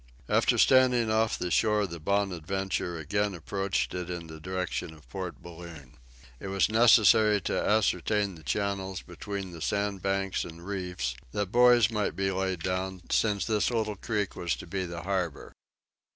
After standing off the shore the "Bonadventure" again approached it in the direction of Port Balloon. It was important to ascertain the channels between the sandbanks and reefs, that buoys might be laid down since this little creek was to be the harbor.